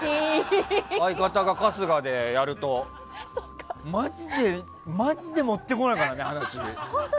相方が春日でやると。マジで持ってこないからね、話。